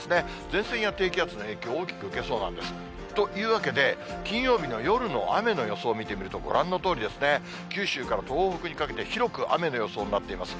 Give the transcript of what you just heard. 前線や低気圧の影響を大きく受けそうなんです。というわけで、金曜日の夜の雨の予想を見てみると、ご覧のとおりですね、九州から東北にかけて広く雨の予想になっています。